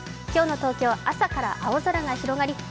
今日の東京、朝から青空が広がり